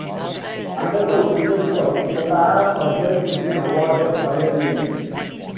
Under the original terms, a pair of medals would be awarded biennially.